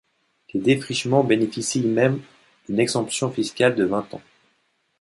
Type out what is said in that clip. Les défrichements bénéficient même d'une exemption fiscale de vingt ans.